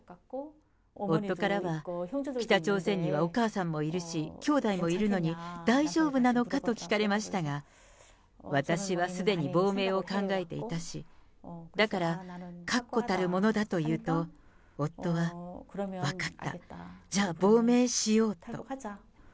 夫からは北朝鮮にはお母さんもいるし、兄弟もいるのに、大丈夫なのかと聞かれましたが、私はすでに亡命を考えていたし、だから確固たるものだと言うと、夫は、分かった、じゃあ亡命しようと。